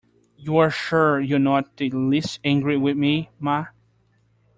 You are sure you are not the least angry with me, Ma?